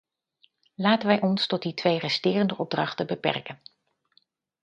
Laten wij ons tot die twee resterende opdrachten beperken.